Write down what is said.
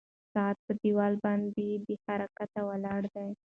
ساعت په دیوال باندې بې حرکته ولاړ دی.